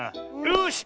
よし！